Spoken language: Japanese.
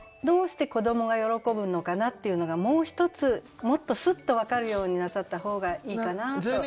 どうして子どもが喜ぶのかなっていうのがもうひとつもっとスッと分かるようになさった方がいいかなと。